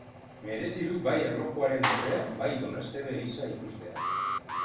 Merezi du bai erlojuaren dorrea bai Doneztebe Eliza ikustea.